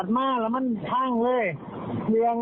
ใส่ว่ามันดาแล้วหมดทุกอย่าง